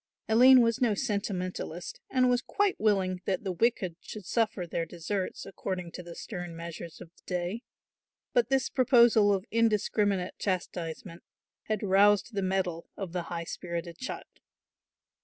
Aline was no sentimentalist and was quite willing that the wicked should suffer their deserts according to the stern measures of the day; but this proposal of indiscriminate chastisement had roused the mettle of the high spirited child.